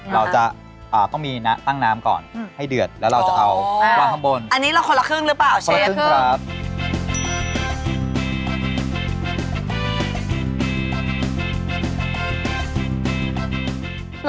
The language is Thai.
เราก็ต้องมีตั้งน้ำก่อนให้เดือดแล้วเราจะเอาละข้างบน